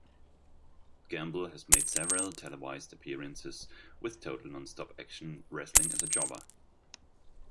Gamble has made several televised appearances with Total Nonstop Action Wrestling as a jobber.